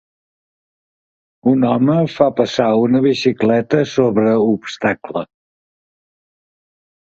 Un home fa passar una bicicleta sobre obstacle